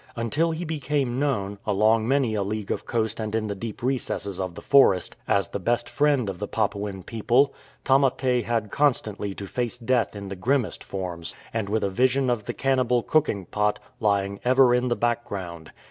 Until he became known, along many a league of coast and in the deep recesses of the forest, as the best friend of the Papuan people, Tamate had constantly to face death in the grimmest forms, and with a vision of the cannibal cooking pot lying ever in the background.